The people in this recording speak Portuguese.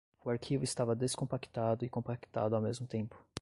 O arquivo estava descompactado e compactado ao mesmo tempo